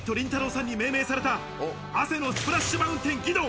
さんに命名された「汗のスプラッシュマウンテン義堂」。